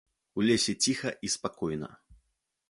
У лесе ціха і спакойна.